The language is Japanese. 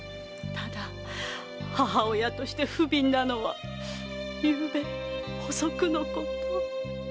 ただ母親として不憫なのは昨夜遅くのこと。